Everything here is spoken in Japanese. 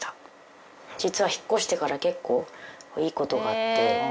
実は引っ越してから結構いい事があって。